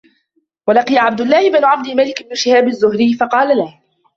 وَلَقِيَ عَبْدُ اللَّهِ بْنُ عَبْدِ الْمَلِكِ ابْنَ شِهَابٍ الزُّهْرِيَّ فَقَالَ لَهُ